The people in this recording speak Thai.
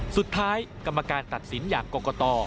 สุดท้ายกรรมการตัดสินอย่างกกต่อ